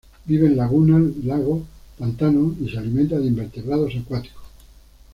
Vive en lagunas, lagos, pantanos y se alimenta de invertebrados acuáticos.